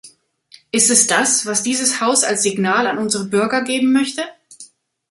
Ist es das, was dieses Haus als Signal an unsere Bürger geben möchte?